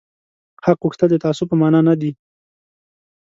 حق غوښتل د تعصب په مانا نه دي